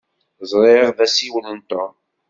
Ẓriɣ d asiwel n Tom.